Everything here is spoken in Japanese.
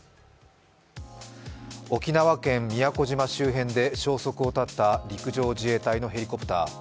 沖縄県宮古島周辺で消息を絶った陸上自衛隊のヘリコプター。